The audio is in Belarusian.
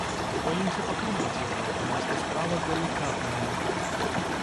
Бо баімся пакрыўдзіць яго, таму што справа далікатная.